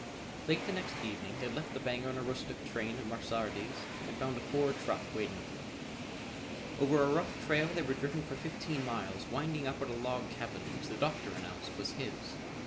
Late the next evening they left the Bangor and Aroostook train at Mesardis and found a Ford truck waiting for them. Over a rough trail they were driven for fifteen miles, winding up at a log cabin which the Doctor announced was his.